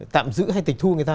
tạm giữ hay tịch thu người ta